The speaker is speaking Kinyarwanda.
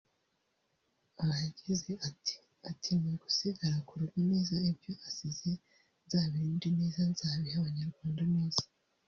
Aha yagize ati” ati ni ugusigara ku rugo neza ibyo asize nzabirinde neza nzabihe abanyarwanda neza